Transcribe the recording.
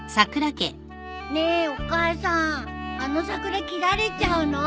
ねえお母さんあの桜切られちゃうの？